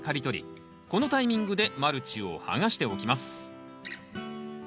このタイミングでマルチを剥がしておきます。